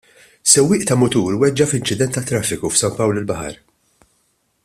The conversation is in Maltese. Sewwieq ta' mutur weġġa' f'inċident tat-traffiku f'San Pawl il-Baħar.